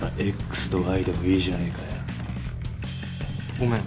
ごめん。